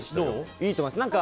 いいと思います。